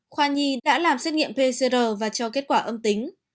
khoa nhi đã làm xét nghiệm pcr và cho kết quả âm tính